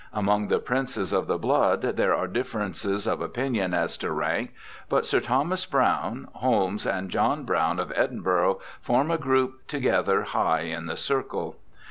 Among the princes ot the blood there are differences of opinion as to rank, but Sir Thomas Browne, Holmes, and John Brown of Edin burgh, form a group together high in the circle.